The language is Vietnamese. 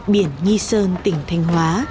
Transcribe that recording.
biển nhi sơn tỉnh thành hóa